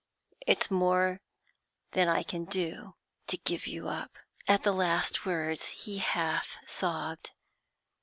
It's more than I can do to give you up.' At the last words he half sobbed.